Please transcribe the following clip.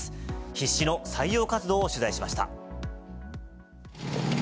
必死の採用活動を取材しました。